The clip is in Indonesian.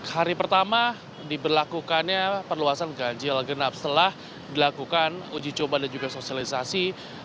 hari pertama diberlakukannya perluasan ganjil genap setelah dilakukan uji coba dan juga sosialisasi